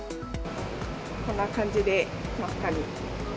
こんな感じで、真っ赤に。